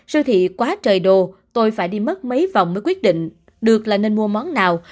siêu thị quá trời đồ tôi phải đi mất mấy vòng mới quyết định được là nên mua món nào